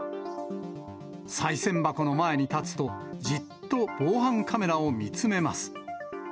さい銭箱の前に立つと、じっと防犯カメラを見つめます。